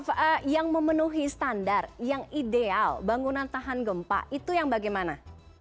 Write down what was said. prof yang memenuhi standar yang ideal bangunan tahan gempa itu yang bagaimana